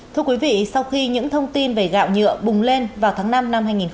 thưa quý vị sau khi những thông tin về gạo nhựa bùng lên vào tháng năm năm hai nghìn hai mươi ba